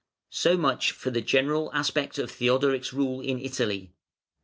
] So much for the general aspect of Theodoric's rule in Italy.